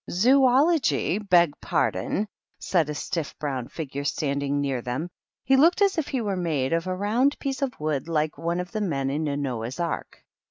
" Zoology, beg pardon !" said a stiff brown figure standing near them. He looked as if he were made of a round piece of wood like one of the men in a Noah's Ark.